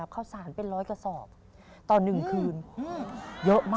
ข้าวสารเป็นร้อยกระสอบต่อ๑คืนเยอะมาก